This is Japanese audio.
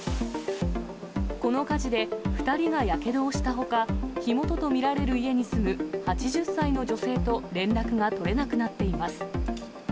この火事で、２人がやけどをしたほか、火元と見られる家に住む８０歳の女性と連絡が取れなくなっています。